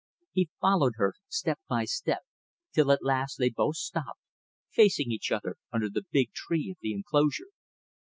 He followed her step by step till at last they both stopped, facing each other under the big tree of the enclosure.